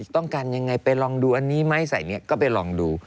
ต้องการยังไงไปลองดูอันนี้ไหมใส่นี้ก็ไปลองดู